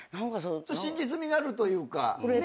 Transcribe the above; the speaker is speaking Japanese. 真実味があるというか。